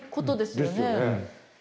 ですよね